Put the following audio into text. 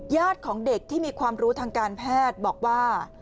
ของเด็กที่มีความรู้ทางการแพทย์บอกว่า